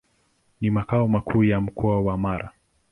Ni makao makuu ya Mkoa wa Mara.